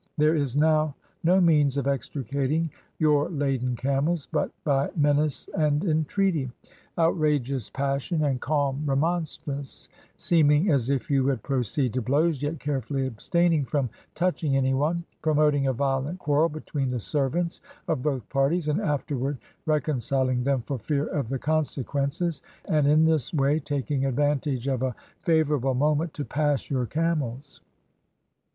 There is now no means of extricating your laden camels but by menace and entreaty; outrageous passion, and calm 137 IXDIA remonstrance; seeming as if you would proceed to blows, yet carefully abstaining from touching any one; pro moting a \ iolent quarrel between the sen. ants of both parties, and afterT\ ard reconciling them for fear of the consequences, and in this way taking advantage of a fa vorable moment to pass your camels.